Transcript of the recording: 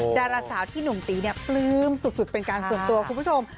ดาราสาวที่หนุ่มตีเนี่ยปลื้มสุดเป็นการส่วนตัวคุณผู้ชม